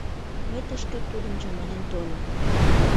— Мый тышке тудым чаманен тольым.